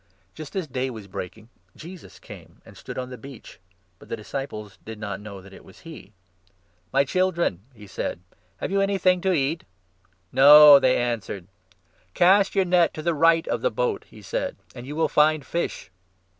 Just as day was breaking, Jesus came and stood on 4 the beach ; but the disciples did not know that it was he. " My children," he said, " have you anything to eat ?" 5 " No," they answered. " Cast your net to the right of the boat," he said, " and you 6 will find fish."